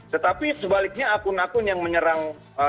tetapi sebaliknya akun akun yang menyerang